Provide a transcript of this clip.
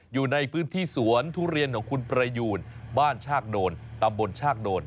อยู่ในพื้นที่สวนทุเรียนของคุณประยูนบ้านชากโดนตำบลชากโดน